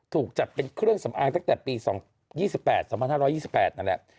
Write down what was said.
ถูกจัดเป็นเครื่องสำอางตั้งแต่ปี๒๘๒๕๒๘นั่นแหละ